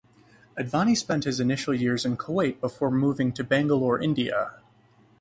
Advani spent his initial years in Kuwait before moving to Bangalore, India.